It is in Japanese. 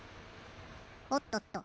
おっとっと。